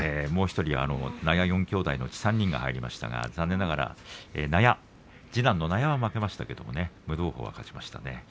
納谷４兄弟のうち３人が入りましたが残念ながら次男の納谷は負けましたけれども夢道鵬が勝ちましたね。